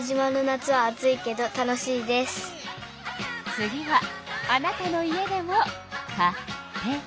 次はあなたの家でも「カテイカ」。